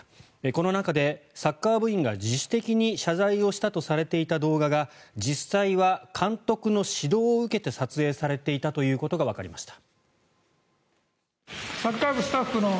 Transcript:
この中でサッカー部員が自主的に謝罪をしたとされていた動画が実際は監督の指導を受けて撮影されていたということがわかりました。